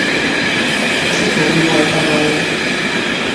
Az utóbbi volt a bajnok.